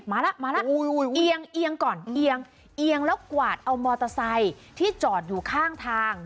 มาแล้วมาแล้วเอียงเอียงก่อนเอียงเอียงแล้วกวาดเอามอเตอร์ไซค์ที่จอดอยู่ข้างทาง